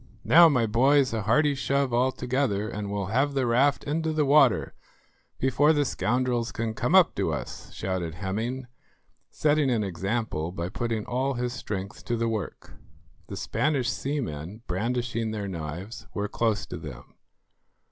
"Now, my boys, a hearty shove altogether, and we'll have the raft into the water before the scoundrels can come up to us," shouted Hemming, setting an example by putting all his strength to the work. The Spanish seamen, brandishing their knives, were close to them.